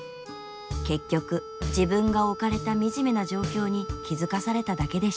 結局自分が置かれた惨めな状況に気付かされただけでした。